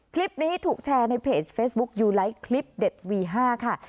คลิปนี้ถูกแชร์ในเพจเฟซบุ๊คยูไลท์คลิปเด็ดวี๕ค่ะ